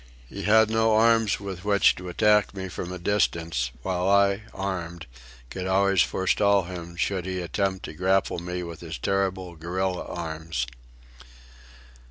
He had no arms with which to attack me from a distance; while I, armed, could always forestall him should he attempt to grapple me with his terrible gorilla arms.